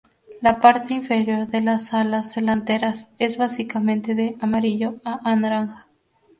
La parte inferior de las alas delanteras es básicamente de amarillo a naranja.